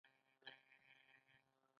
متحدو ایالتونو د ملي امنیت په اړه د اندېښنو